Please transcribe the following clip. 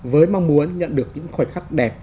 với mong muốn nhận được những khoảnh khắc đẹp